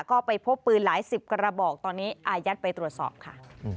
ก็ไปพบปืนหลายสิบกระบอกตอนนี้อายัดไปตรวจสอบค่ะ